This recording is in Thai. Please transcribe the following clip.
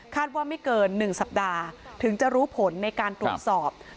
ว่าไม่เกิน๑สัปดาห์ถึงจะรู้ผลในการตรวจสอบ